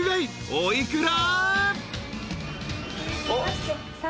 お幾ら？］